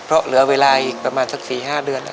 เพราะเหลือเวลาอีกประมาณสัก๔๕เดือน